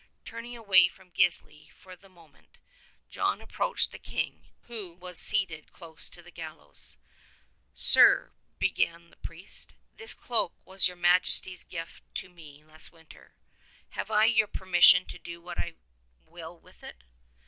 Turning away from Gisli for the moment, John approached the King, who was seated close to the gallows. '^Sire,'' began the priest, '"this cloak was your Majesty's gift to me last winter. Have I your permission to do what I will with it?"